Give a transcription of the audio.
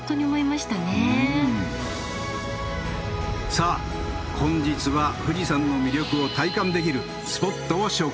さあ本日は富士山の魅力を体感できるスポットを紹介。